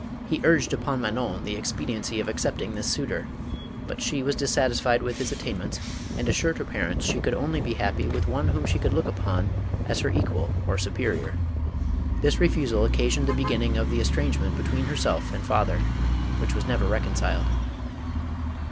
He urged upon Manon, the expediency of accepting this suitor, but she was dissatisfied with his attainments and assured her parents she could only be happy with one whom she could look upon as her equal or superior. This refu sal occasioned the beginning of the estrangement be tween herself and father, which was never reconciled.